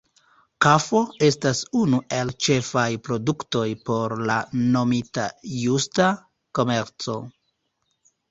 Kafo estas unu el ĉefaj produktoj por la nomita Justa komerco.